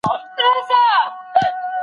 نوريې دلته روزي و ختمه سوې